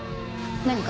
何か？